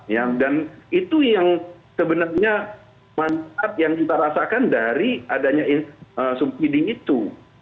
ya dan itu yang sebenarnya manfaat yang kita rasakan dari adanya subsidi itu